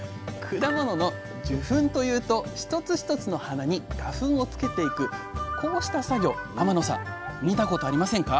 果物の受粉というと一つ一つの花に花粉をつけていくこうした作業天野さん見たことありませんか？